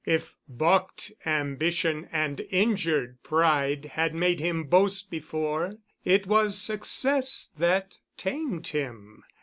If balked ambition and injured pride had made him boast before, it was success that tamed him.